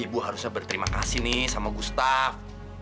ibu harusnya berterima kasih nih sama gustaf